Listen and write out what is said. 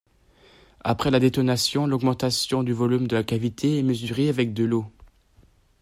Après la détonation, l'augmentation du volume de la cavité est mesurée avec de l'eau.